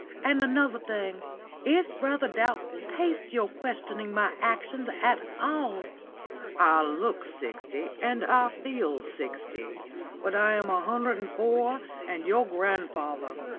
And another thing: it's rather doubtful taste your questioning my actions at all. I look sixty and I feel sixty, but I am a hundred and four and your grandfather.